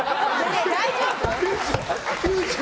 大丈夫？